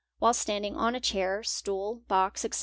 while standing on a chair, st tool, box, etc.